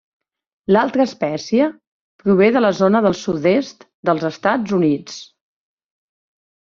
L'altra espècie prové de la zona del sud-est dels Estats Units.